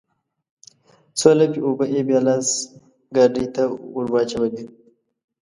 څو لپې اوبه يې بيا لاس ګاډي ته ورواچولې.